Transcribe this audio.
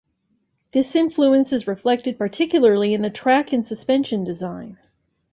This influence is reflected particularly in the track and suspension design.